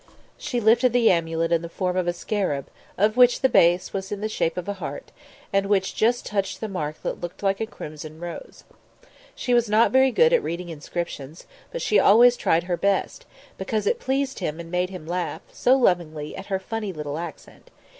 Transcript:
She lifted the amulet in the form of a scarab, of which the base was in the shape of a heart, and which just touched the mark that looked like a crimson rose. She was not very good at reading inscriptions, but she always tried her best, because it pleased him and made him laugh so lovingly at her funny little accent.